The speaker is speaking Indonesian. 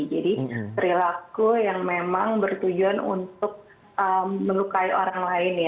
jadi perilaku yang memang bertujuan untuk menukai orang lain